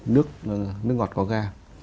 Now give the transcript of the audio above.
nước ngọt có ra